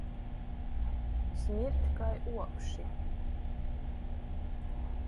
Smird kai uopši.